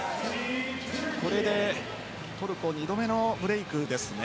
これでトルコ２度目のブレークですね。